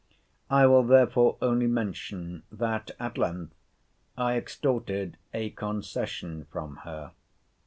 I will therefore only mention, that, at length, I extorted a concession from her.